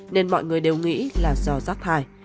nên mọi người đều nghĩ là do rác thai